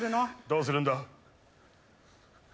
どうするんだ？